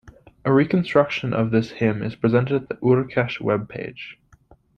A reconstruction of this hymn is presented at the Urkesh webpage.